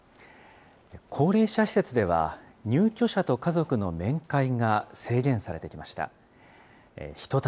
高齢者施設では、入居者と家族の面会が制限されてきました。